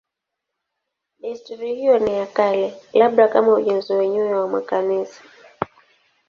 Desturi hiyo ni ya kale, labda kama ujenzi wenyewe wa makanisa.